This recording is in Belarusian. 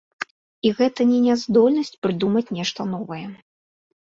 І гэта не няздольнасць прыдумаць нешта новае.